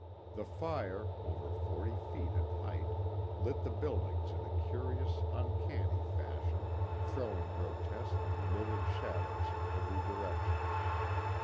The fire, over forty feet in height, lit the buildings in a curious, uncanny fashion, throwing grotesque and lurid shadows in every direction.